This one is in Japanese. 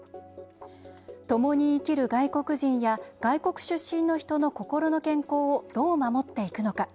ともに生きる外国人や外国出身の人の心の健康をどう守っていくのか。